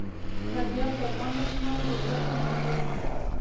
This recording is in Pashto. فاریاب د افغان ماشومانو د زده کړې موضوع ده.